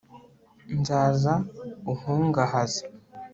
nzaza unkungahaze